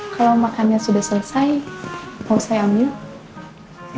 kalau makannya sudah selesai mau saya ambil